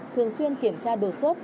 thường xuyên kiểm tra đột xuất